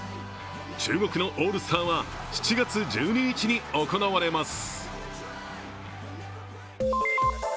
注目のオールスターは７月１２日に行われます。